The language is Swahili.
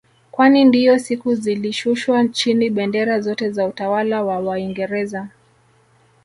Kwani ndiyo siku zilishushwa chini bendera zote za utawala wa waingereza